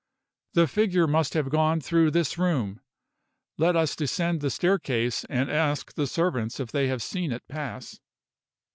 "The figure must have gone through this room. Let us descend the staircase and ask the servants if they have seen it pass."